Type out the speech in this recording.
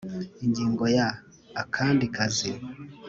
Ingingo ya Akandi kazi